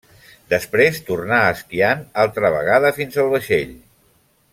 Després tornà esquiant altra vegada fins al vaixell.